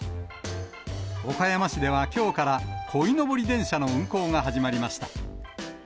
岡山市ではきょうから、こいのぼり電車の運行が始まりました。